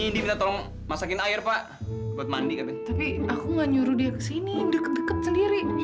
diminta tolong masakin air pak buat mandi tapi aku gak nyuruh dia kesini deket deket sendiri